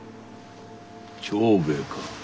長兵衛か。